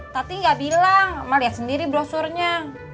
tati gak bilang emak liat sendiri brosurnya